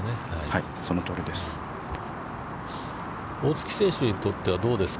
◆そのとおりです。